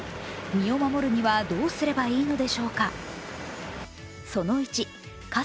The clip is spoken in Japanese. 身を守るにはどうすればいいのでしょうか。